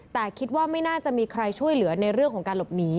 แต่คิดว่าไม่น่าจะมีใครช่วยเหลือในเรื่องของการหลบหนี